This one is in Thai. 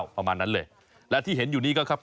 ประมาณนั้นเลยและที่เห็นอยู่นี้ก็ครับ